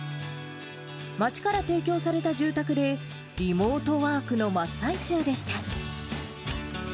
町から提供された住宅で、リモートワークの真っ最中でした。